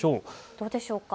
どうでしょうか。